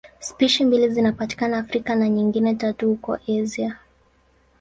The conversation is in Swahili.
Spishi mbili zinapatikana Afrika na nyingine tatu huko Asia.